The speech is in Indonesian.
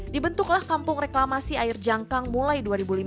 dibentuklah kampung reklamasi air jangkang mulai dua ribu lima belas